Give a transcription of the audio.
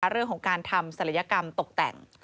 เรื่องของการทำศัลยกรรมตกแต่ง